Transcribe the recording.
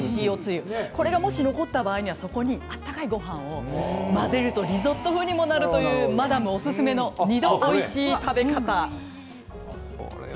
これが残った場合にはそこに温かいごはんを混ぜるとリゾット風にもなるというマダムおすすめの２度おいしい食べ方です。